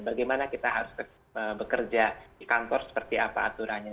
bagaimana kita harus bekerja di kantor seperti apa aturannya